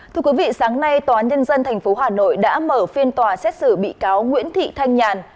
thưa quý vị sáng nay tòa nhân dân tp hà nội đã mở phiên tòa xét xử bị cáo nguyễn thị thanh nhàn